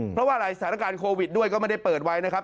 เพราะว่าอะไรสถานการณ์โควิดด้วยก็ไม่ได้เปิดไว้นะครับ